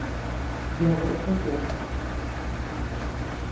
Yaʼa boʼo sonkubi.